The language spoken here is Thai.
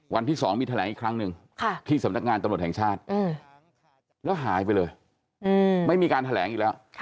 วันที่๒มีแถลงอีกครั้งหนึ่งที่สำนักงานตำรวจแห่งชาติแล้วหายไปเลยไม่มีการแถลงอีกแล้ว